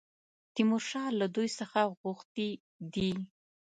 تیمورشاه له دوی څخه غوښتي دي.